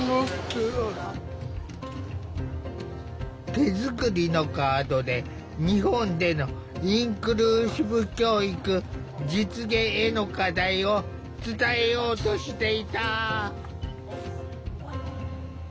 手作りのカードで日本でのインクルーシブ教育実現への課題を伝えようとしていた。